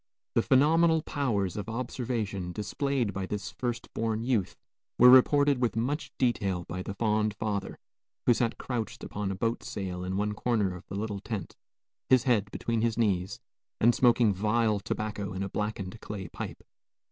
The phenomenal powers of observation displayed by this first born youth were reported with much detail by the fond father, who sat crouched upon a boat sail in one corner of the little tent, his head between his knees, and smoking vile tobacco in a blackened clay pipe.